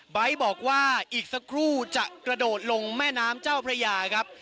บอกว่าอีกสักครู่จะกระโดดลงแม่น้ำเจ้าพระยาครับ